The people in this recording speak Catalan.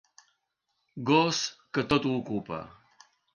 Gos que tot ho ocupa.